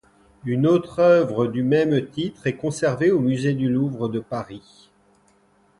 Une autre œuvre du même titre est conservée au Musée du Louvre de Paris.